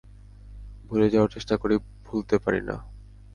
ভুলে যাওয়ার চেষ্টা করি, ভুলতে পারি না।